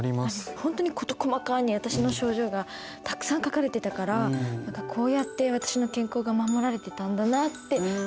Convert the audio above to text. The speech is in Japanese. ほんとに事細かに私の症状がたくさん書かれてたから何かこうやって私の健康が守られてたんだなって思いました。